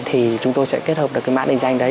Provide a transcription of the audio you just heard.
thì chúng tôi sẽ kết hợp được cái mã định danh đấy